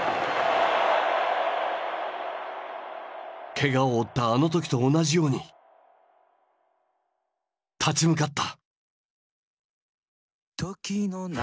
けがを負ったあの時と同じように立ち向かった。